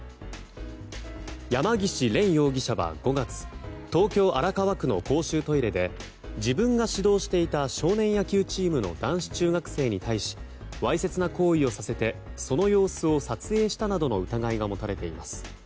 山岸怜容疑者は５月東京・荒川区の公衆トイレで自分が指導していた少年野球チームの男子中学生に対しわいせつな行為をさせてその様子を撮影したなどの疑いが持たれています。